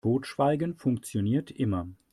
Totschweigen funktioniert immer.